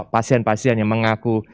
pasien pasien yang mengaku